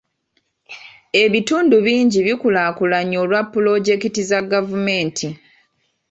Ebitundu bingi bikulaakulanye olwa pulojekiti za gavumenti.